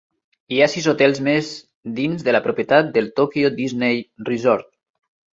Hi ha sis hotels més dins de la propietat del Tokyo Disney Resort.